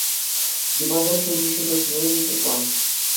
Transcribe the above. Юпасем ҫинчи ҫутӑсене те ҫутман.